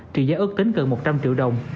trị giá ước tính gần một trăm linh triệu đồng